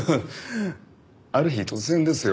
ある日突然ですよ。